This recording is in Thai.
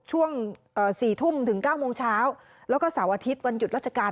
ช่วง๔ทุ่มถึง๙โมงเช้าแล้วก็เสาร์อาทิตย์วันหยุดราชการ